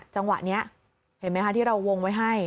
จังหวะนี้เห็นไหมคะที่เราวงไว้ให้